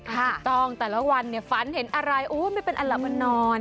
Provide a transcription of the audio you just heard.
ถูกต้องแต่ละวันฝันเห็นอะไรโอ้ยไม่เป็นอันหลับมันนอน